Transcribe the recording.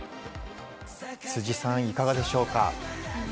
辻さん、いかがでしょうか。